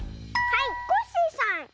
はいコッシーさん！